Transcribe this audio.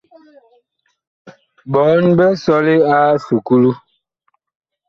Bɔɔn big sɔle a esuklu.